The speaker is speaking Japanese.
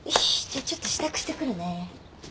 じゃあちょっと支度してくるね。